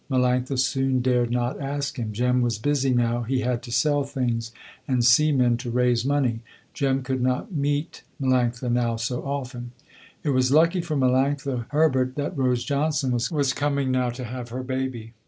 Melanctha soon dared not ask him. Jem was busy now, he had to sell things and see men to raise money. Jem could not meet Melanctha now so often. It was lucky for Melanctha Herbert that Rose Johnson was coming now to have her baby.